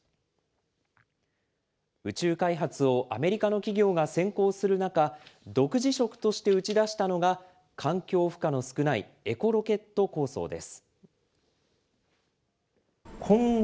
宇宙開発をアメリカの企業が先行する中、独自色として打ち出したのが、環境負荷の少ないエコロケット構想です。